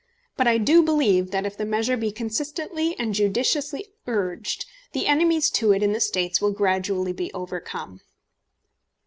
But I do believe that if the measure be consistently and judiciously urged, the enemies to it in the States will gradually be overcome.